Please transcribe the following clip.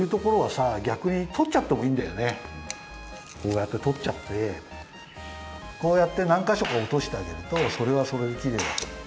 こうやってとっちゃってこうやってなんかしょかおとしてあげるとそれはそれできれいになってく。